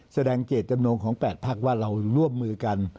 แสดงเจตจำนงของ๘พักว่าเราร่วมมือกัน